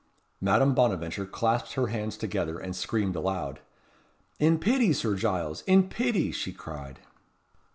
Madame Bonaventure clasped her hands together, and screamed aloud. "In pity, Sir Giles! In pity!" she cried.